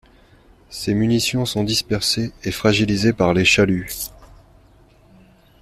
Ces munitions sont dispersés et fragilisés par les chaluts.